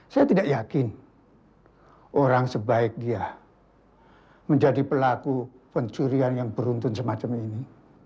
saya tidak yakin orang sebaiknya menjadi pelaku pencurian yang beruntun semacam ini